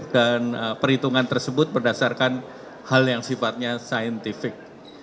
dan perhitungan tersebut berdasarkan hal yang sifatnya saintifik